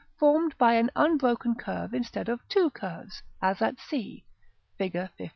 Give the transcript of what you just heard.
formed by an unbroken curve instead of two curves, as c, Fig. LIV.